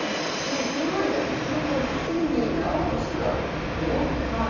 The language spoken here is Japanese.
いつの間にか自分の顔好きになろうとしてたと思うのね。